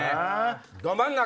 ど真ん中！